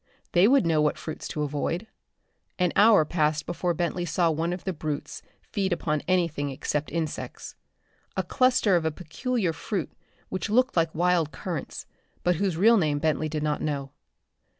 They would know what fruits to avoid. An hour passed before Bentley saw one of the brutes feed upon anything except insects. A cluster of a peculiar fruit which looked like wild currants, but whose real name Bentley did not know.